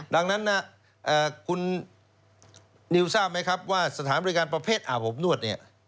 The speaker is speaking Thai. ดังนั้นนะคุณนิวทราบไหมครับว่าสถานบริการประเภทอาบอบนวดเนี่ย